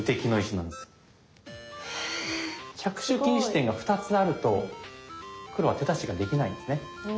着手禁止点が２つあると黒は手出しができないですね。